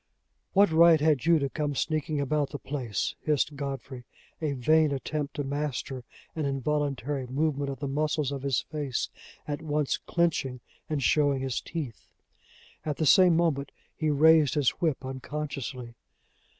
"What right had you to come sneaking about the place?" hissed Godfrey, a vain attempt to master an involuntary movement of the muscles of his face at once clinching and showing his teeth. At the same moment he raised his whip unconsciously.